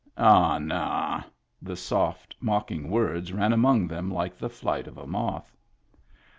" Ah, nah !" The soft, mocking words ran among them like the flight of a moth.